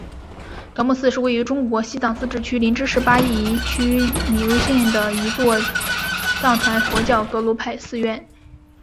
德木寺是位于中国西藏自治区林芝市巴宜区米瑞乡的一座藏传佛教格鲁派寺院。